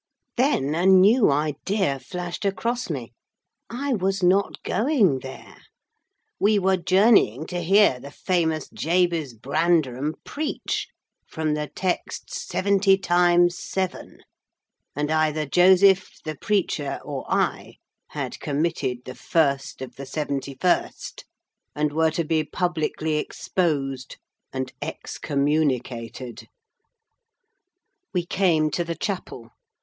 Then a new idea flashed across me. I was not going there: we were journeying to hear the famous Jabez Branderham preach, from the text—"Seventy Times Seven;" and either Joseph, the preacher, or I had committed the "First of the Seventy First," and were to be publicly exposed and excommunicated. We came to the chapel.